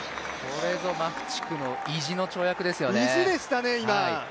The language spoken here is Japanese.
これぞマフチクの意地の跳躍でしたね。